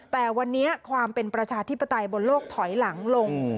แต่วันนี้ความเป็นประชาธิปไตยบนโลกถอยหลังลง